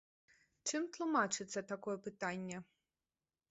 Чым тлумачыцца такое пытанне?